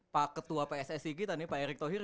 pak ketua pssi kita nih pak erick thohir